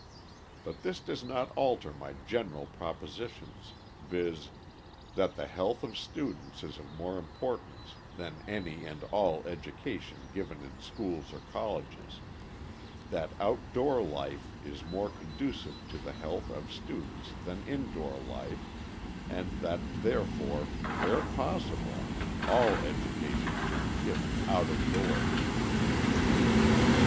But this does not alter my general propositions, viz., that the health of students is of more importance than any and all education given in schools or colleges; that outdoor life is more conducive to the health of students than indoor life, and that, therefore, where possible, all education should be given out of doors.